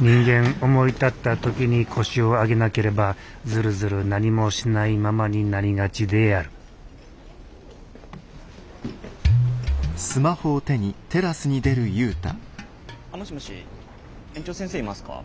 人間思い立った時に腰を上げなければずるずる何もしないままになりがちであるあもしもし園長先生いますか？